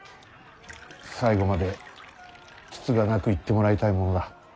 最後までつつがなくいってもらいたいものだ。